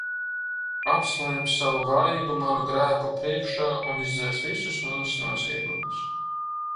Apslēp Savu vaigu manu grēku priekšā un izdzēs visus manus noziegumus!